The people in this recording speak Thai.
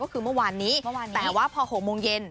ก็คือเมื่อวานนี้แต่ว่าพอ๖โมงเย็น